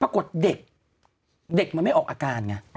ปรากฏเด็กมันไม่ออกอาการไง